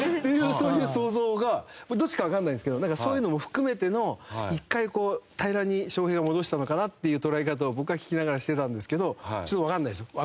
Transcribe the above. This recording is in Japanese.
そういう想像がどっちかわからないですけどそういうのも含めての１回平らに翔平が戻したのかな？っていう捉え方を僕は聞きながらしてたんですけどちょっとわかんないです。